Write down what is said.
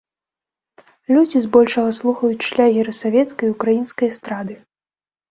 Людзі збольшага слухаюць шлягеры савецкай і украінскай эстрады.